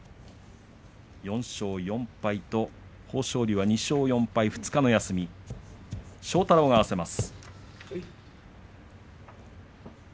４勝４敗と豊昇龍が２勝４敗、２日の休み庄太郎が合わせます。